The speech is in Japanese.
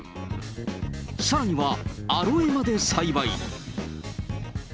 さらにはアロエまで栽培。